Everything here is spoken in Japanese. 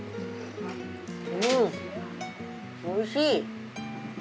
うんおいしい！